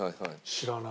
知らない。